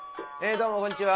どうもこんにちは。